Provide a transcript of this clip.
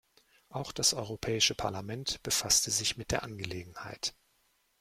Auch das Europäische Parlament befasste sich mit der Angelegenheit.